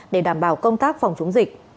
để đảm bảo công tác phòng chống dịch